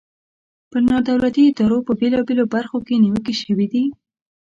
پر نا دولتي ادارو په بیلابیلو برخو کې نیوکې شوي دي.